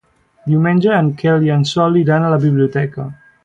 Diumenge en Quel i en Sol iran a la biblioteca.